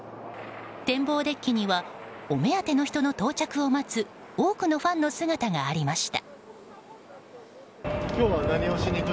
展望デッキにはお目当ての人の到着を待つ多くのファンの姿がありました。